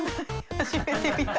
初めて見た。